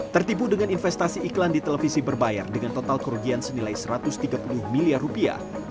tertipu dengan investasi iklan di televisi berbayar dengan total kerugian senilai satu ratus tiga puluh miliar rupiah